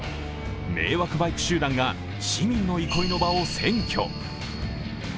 迷惑バイク集団が市民の憩いの場を占拠。